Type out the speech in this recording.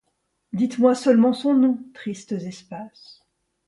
Dites-moi seulement son nom, tristes espaces